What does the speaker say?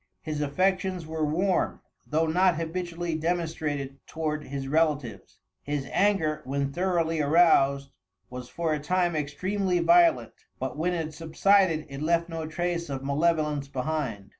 "His affections were warm, though not habitually demonstrated toward his relatives. His anger, when thoroughly aroused, was for a time extremely violent, but when it subsided it left no trace of malevolence behind.